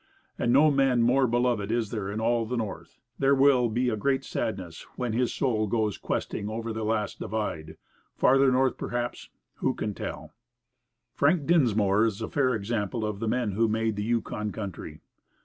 And no man more beloved is there in all the North. There will be great sadness there when his soul goes questing on over the Last Divide "farther north," perhaps who can tell? Frank Dinsmore is a fair sample of the men who made the Yukon country.